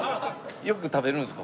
よく食べるんですか？